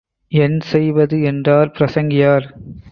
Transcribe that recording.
என் செய்வது? என்றார் பிரசங்கியார்.